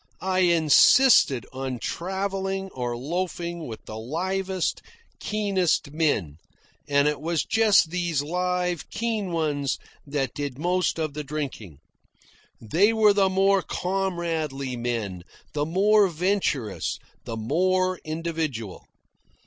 I insisted on travelling or loafing with the livest, keenest men, and it was just these live, keen ones that did most of the drinking. They were the more comradely men, the more venturous, the more individual.